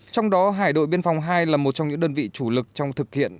trong đó hải đội biên phòng hai là một trong những đơn vị chủ lực trong thực hiện